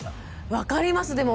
分かりますでも。